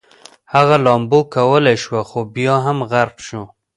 هغه لامبو کولی شوه خو بیا هم غرق شو